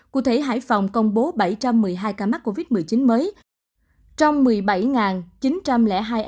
cụ thể hải phòng công bố bảy trăm một mươi hai ca mắc covid một mươi chín mới